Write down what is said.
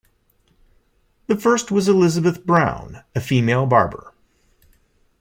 The first was Elizabeth Brown, a female barber.